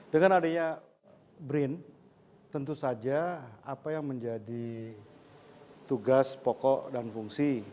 dengan adanya brin tentu saja apa yang menjadi tugas pokok dan fungsi